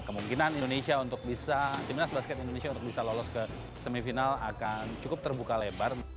kemungkinan timnas basket indonesia untuk bisa lolos ke semifinal akan cukup terbuka lebar